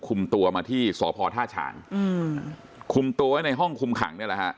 คุมตัวมาที่สพท่าฉางอืมคุมตัวไว้ในห้องคุมขังเนี่ยแหละฮะ